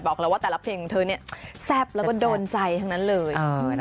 บอกแล้วว่าแต่ละเพลงของเธอแซ่บแล้วก็โดนใจทั้งนั้นเลย